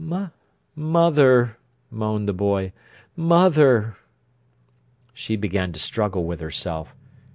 "Mother!" moaned the boy. "Mother!" She began to struggle with herself.